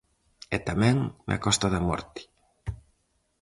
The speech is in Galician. E tamén na Costa da Morte.